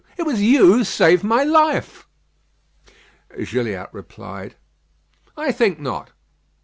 It was you who saved my life." Gilliatt replied: "I think not."